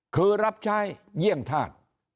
คือรับใช้เยี่ยงธาตุ